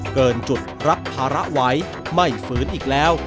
เกินจุดรับภาระไว้ไม่ฝืนอีกแล้ว